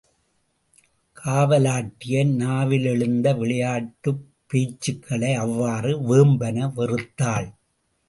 காவலாட்டியர் நாவிலெழுந்த விளையாட்டுப் பேச்சுகளையும் அவ்வாறே வேம்பென வெறுத்தாள்.